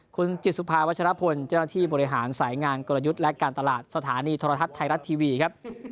คุณจิตสุภาวัชรพลเจ้าหน้าที่บริหารสายงานกลยุทธ์และการตลาดสถานีโทรทัศน์ไทยรัฐทีวีครับ